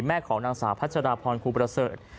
ของนางสาวพัชราพรครูประเสริฐ